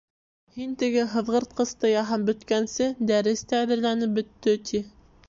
Һин теге һыҙғыртҡысты яһап бөткәнсе, дәрес тә әҙерләнеп бөттө, ти.